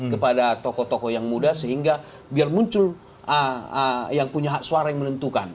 kepada tokoh tokoh yang muda sehingga biar muncul yang punya hak suara yang menentukan